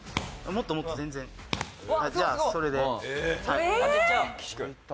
もっともっと全然じゃあそれでえっ？